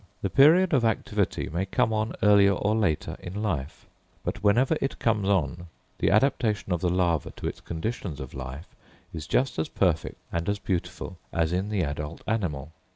The period of activity may come on earlier or later in life; but whenever it comes on, the adaptation of the larva to its conditions of life is just as perfect and as beautiful as in the adult animal.